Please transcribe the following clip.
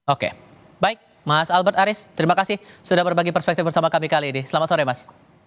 oke baik mas albert aris terima kasih sudah berbagi perspektif bersama kami kali ini selamat sore mas